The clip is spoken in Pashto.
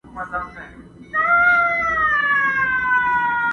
خدای به مني قرآن به لولي مسلمان به نه وي!